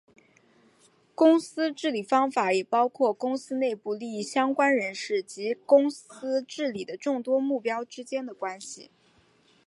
公司治理方法也包括公司内部利益相关人士及公司治理的众多目标之间的关系。